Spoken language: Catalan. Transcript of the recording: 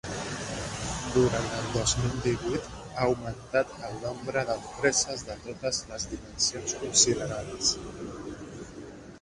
Durant el dos mil divuit ha augmentat el nombre d'empreses de totes les dimensions considerades.